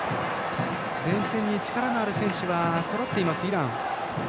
前線に力のある選手はそろっているイラン。